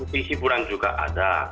musik hiburan juga ada